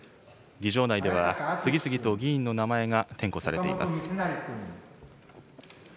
議場内では、次々と議員の名前が点呼されています。